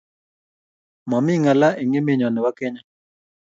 Mami ngala eng emenyoo nebo kenya